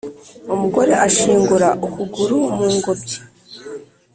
umugore ashingura ukuguru mu ngobyi